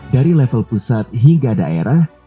dari level pusat hingga daerah